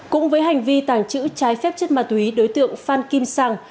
cũng với hành vi tàng trữ trái phép chất ma túy đối tượng phan kim sang